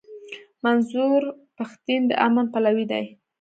منظور پښتين د امن پلوی دی.